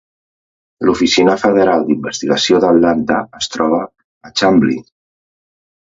La Oficina Federal d'Investigació d'Atlanta es troba a Chamblee.